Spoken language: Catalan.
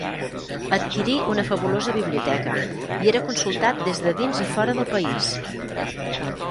Adquirí una fabulosa biblioteca i era consultat des de dins i fora del país.